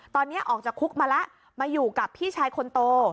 ตอนนี้ออกจากคุกมาแล้วมาอยู่กับพี่ชายคนโต